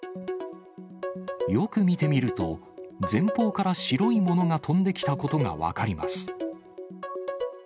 よく見てみると、前方から白いものが飛んできたことが分かります。